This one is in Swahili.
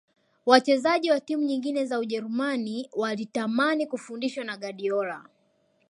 Wachezaji wa timu nyingine za ujerumani walitamani kufundishwa na guardiola